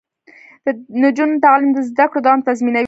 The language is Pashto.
د نجونو تعلیم د زدکړو دوام تضمینوي.